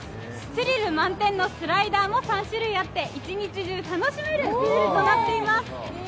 スリル満点のスライダーも３種類あって一日中楽しめるプールとなっています。